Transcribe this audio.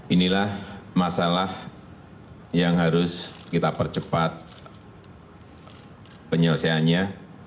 inilah masalah yang harus kita percepat penyelesaiannya